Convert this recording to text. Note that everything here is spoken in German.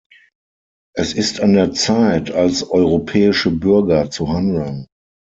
Es ist an der Zeit, als europäische Bürger zu handeln.